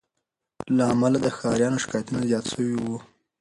له امله د ښاریانو شکایتونه زیات سوي وه